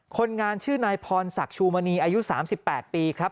คนงานชื่อนายพรศักดิ์ชูมณีอายุ๓๘ปีครับ